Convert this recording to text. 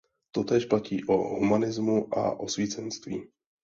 Totéž platí o humanismu a osvícenství.